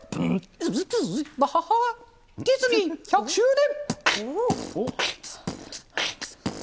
ディズニー１００周年。